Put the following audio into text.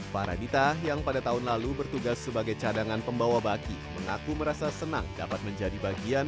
paradita yang pada tahun lalu bertugas sebagai cadangan pembawa baki mengaku merasa senang dapat menjadi bagian